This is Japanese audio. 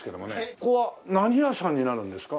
ここは何屋さんになるんですか？